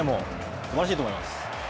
すばらしいと思います。